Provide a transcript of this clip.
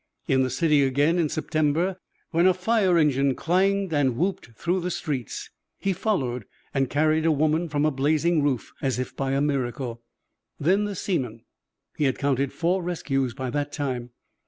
In the city, again, in September, when a fire engine clanged and whooped through the streets, he followed and carried a woman from a blazing roof as if by a miracle. Then the seaman. He had counted four rescues by that time.